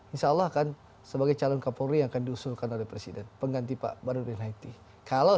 insyaallah akan sebagai calon kapolri akan diusulkan oleh presiden pengganti pak kalau